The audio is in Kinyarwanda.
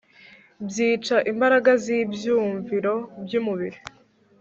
byica imbaraga zibyumviro byumubiri